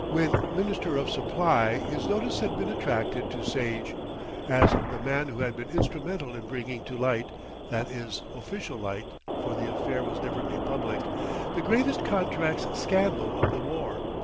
When Minister of Supply his notice had been attracted to Sage, as the man who had been instrumental in bringing to light that is official light, for the affair was never made public the greatest contracts scandal of the war.